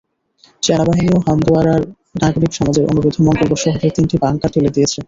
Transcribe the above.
সেনাবাহিনীও হান্দোয়ারার নাগরিক সমাজের অনুরোধে মঙ্গলবার শহরের তিনটি বাংকার তুলে দিয়েছে।